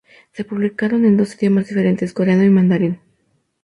Se publicaron en dos idiomas diferentes, coreano y mandarín.